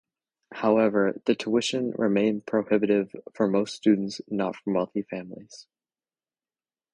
However, the tuition remained prohibitive for most students not from wealthy families.